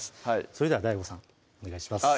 それではＤＡＩＧＯさんお願いします